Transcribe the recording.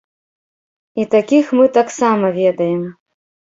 І такіх мы таксама ведаем.